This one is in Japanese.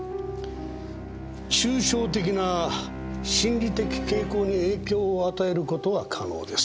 抽象的な心理的傾向に影響を与えることは可能です。